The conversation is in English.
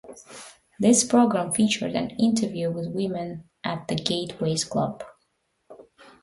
This program featured an interview with women at the Gateways club.